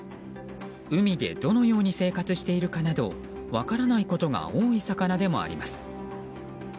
海でどのように生活しているかなど分からないことが多い魚でもあります。